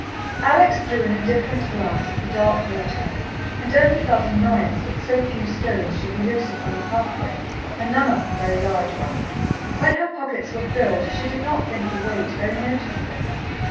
Alex threw an indifferent glance at the dark water, and only felt annoyance that so few stones should be loose upon the pathway, and none of them very large ones. When her pockets were filled, she did not think the weight very noticeable.